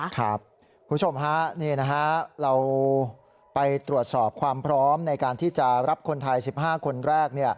คุณผู้ชมฮะนี่นะฮะเราไปตรวจสอบความพร้อมในการที่จะรับคนไทย๑๕คนแรก